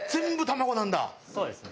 そうですね。